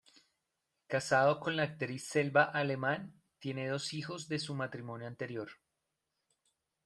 Casado con la actriz Selva Alemán, tiene dos hijos de su matrimonio anterior.